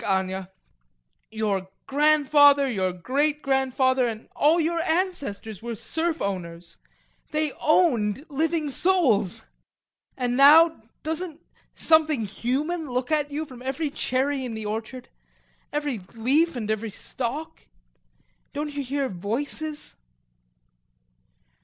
Think, Anya, your grandfather, your great grandfather, and all your ancestors were serf owners, they owned living souls; and now, doesn't something human look at you from every cherry in the orchard, every leaf and every stalk? Don't you hear voices...?